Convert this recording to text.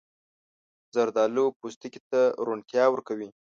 زردالو پوستکي ته روڼتیا ورکوي.